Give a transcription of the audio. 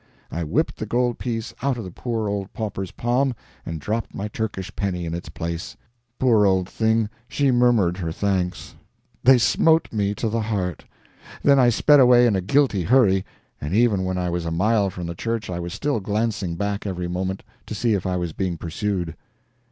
I whipped the gold piece out of the poor old pauper's palm and dropped my Turkish penny in its place. Poor old thing, she murmured her thanks they smote me to the heart. Then I sped away in a guilty hurry, and even when I was a mile from the church I was still glancing back, every moment, to see if I was being pursued.